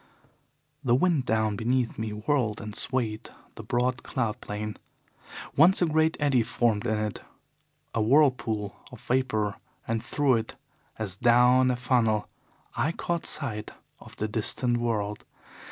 "The wind down beneath me whirled and swayed the broad cloud plain. Once a great eddy formed in it, a whirlpool of vapour, and through it, as down a funnel, I caught sight of the distant world.